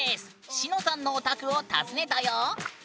しのさんのお宅を訪ねたよ。